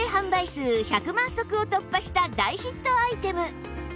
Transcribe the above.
数１００万足を突破した大ヒットアイテム！